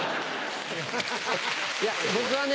いや僕はね